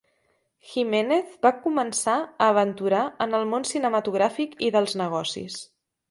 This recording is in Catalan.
Jimenez va començar a aventurar en el món cinematogràfic i dels negocis.